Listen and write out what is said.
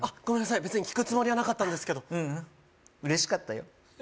ごめんなさい別に聞くつもりはなかったんですけどううん嬉しかったよ